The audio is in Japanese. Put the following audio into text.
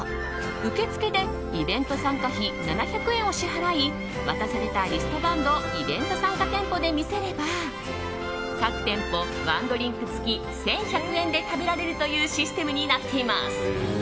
受付でイベント参加費７００円を支払い渡されたリストバントをイベント参加店舗で見せれば各店舗ワンドリンク付き１１００円で食べられるというシステムになっています。